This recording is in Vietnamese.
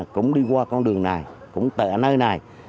cũng đi qua con đường này cũng tệ nơi này